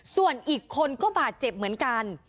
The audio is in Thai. ส่วนอีกคนก็บาดเจ็บเหมือนกัน